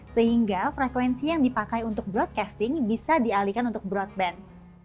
sehingga frekuensi yang dipakai untuk broadcasting bisa dialihkan untuk broadband